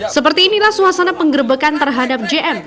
seperti inilah suasana penggerbekan terhadap jm